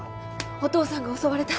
お父さんが襲われた。